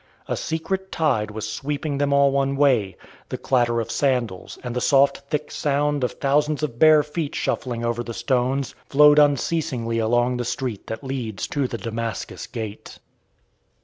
A secret tide was sweeping them all one way. The clatter of sandals, and the soft, thick sound of thousands of bare feet shuffling over the stones, flowed unceasingly along the street that leads to the Damascus gate.